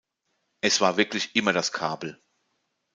Es war wirklich immer das Kabel.